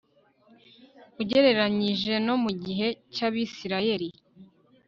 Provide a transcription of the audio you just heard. ugereranyije no mu gihe cy'abisirayeli